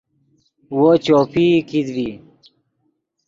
وو چوپئی کیت ڤی